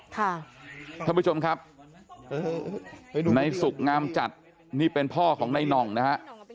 ท่านผู้ชมครับในสุขงามจัดนี่เป็นพ่อของในน่องนะฮะ